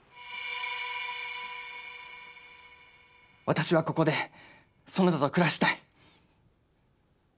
私はここでそなたと暮らしたい。